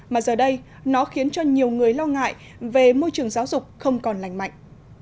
mà giờ đây nó khiến cho nhiều người lo ngại về môi trường giáo dục không còn lành mạnh